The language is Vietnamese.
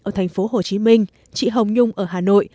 ở thành phố hồ chí minh chị hồng nhung ở hà nội